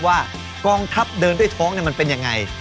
กองทัพเดินด้วยท้องมันเป็นยังไง